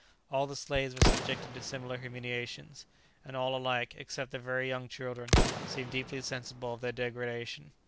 All the slaves were subjected to similar humiliations; and ail alike, except the very young children, seemed deeply sensible of their degradation.